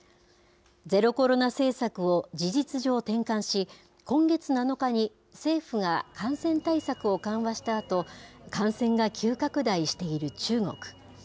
ゼロコロナ政策を事実上転換し、今月７日に政府が感染対策を緩和したあと、感染が急拡大している中国。